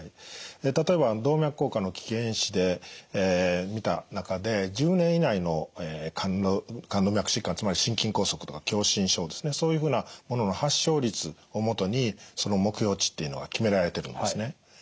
例えば動脈硬化の危険因子で見た中で１０年以内の冠動脈疾患つまり心筋梗塞とか狭心症ですねそういうふうなものの発症率を元に目標値っていうのが決められてるんですね。